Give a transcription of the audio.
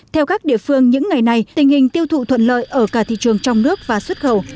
theo các địa phương những ngày này tình hình tiêu thụ thuận lợi ở cả thị trường trong nước và xuất khẩu